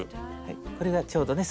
これがちょうどね